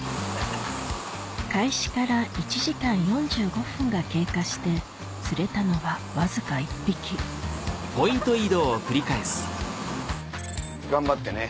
開始から１時間４５分が経過して釣れたのはわずか１匹頑張ってね